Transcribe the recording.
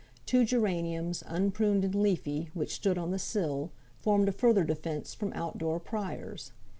Two geraniums, unpruned and leafy, which stood on the sill, formed a further defence from out door pryers.